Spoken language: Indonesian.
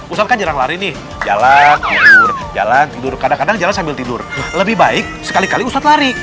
ustadz kan jarang lari nih jalan tidur jalan tidur kadang kadang jalan sambil tidur lebih baik sekali kali ustadz lari